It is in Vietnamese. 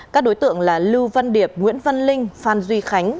các đối tượng là lưu văn điệp nguyễn văn linh phan duy khánh